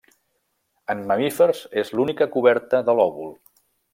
En mamífers és l'única coberta de l'òvul.